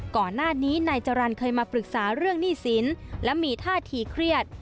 ก่อนหน้านี้นายจรรย์เคยมาปรึกษาเรื่องหนี้สินและมีท่าทีเครียด